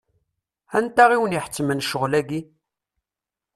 Anta i wen-iḥettmen ccɣel-agi?